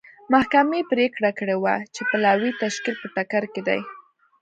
محکمې پرېکړه کړې وه چې پلاوي تشکیل په ټکر کې دی.